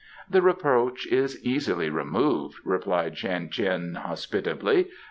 "The reproach is easily removed," replied Shan Tien hospitably.